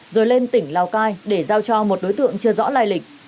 rồi lên tỉnh lào cai để giao cho một đối tượng chưa rõ lai lịch